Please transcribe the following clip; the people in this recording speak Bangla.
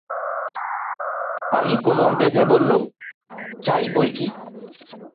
আমি কোমর বেঁধে বললুম, চাই বৈকি।